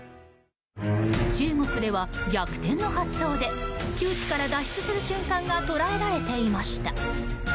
中国では逆転の発想で窮地から脱出する瞬間が捉えられていました。